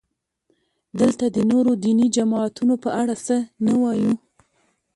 دلته د نورو دیني جماعتونو په اړه څه نه وایو.